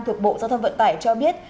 thuộc bộ giao thông vận tải cho biết